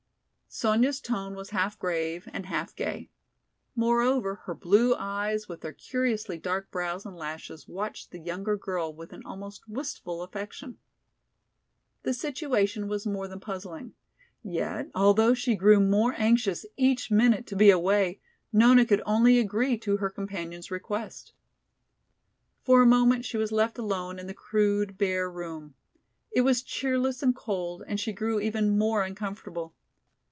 Sonya's tone was half grave and half gay. Moreover, her blue eyes with their curiously dark brows and lashes watched the younger girl with an almost wistful affection. The situation was more than puzzling. Yet, although she grew more anxious each minute to be away, Nona could only agree to her companion's request. For a moment she was left alone in the crude, bare room. It was cheerless and cold and she grew even more uncomfortable.